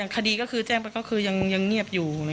คดีแจ้งไปก็ยังเงียบอยู่